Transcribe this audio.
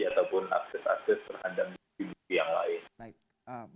ataupun akses akses terhadap institusi yang lain